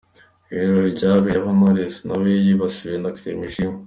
Ibi birori byabereye aho Knowless na we yasabiwe na Clement Ishimwe.